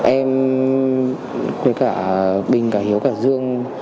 em với cả bình cả hiếu cả dương